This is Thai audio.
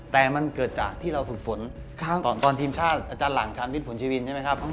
แต่มันเกิดจากที่เราฝึกฝนตอนทีมชาติอาจารย์หลังชาญวิทย์ผลชีวินใช่ไหมครับ